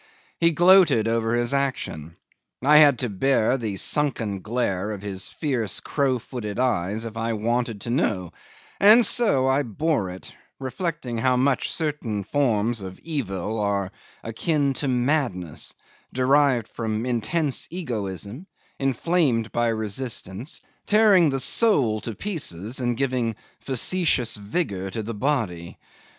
He gloated over his action. I had to bear the sunken glare of his fierce crow footed eyes if I wanted to know; and so I bore it, reflecting how much certain forms of evil are akin to madness, derived from intense egoism, inflamed by resistance, tearing the soul to pieces, and giving factitious vigour to the body.